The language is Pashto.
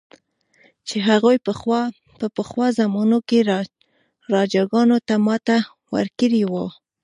چې هغوی په پخوا زمانو کې راجاګانو ته ماته ورکړې وه.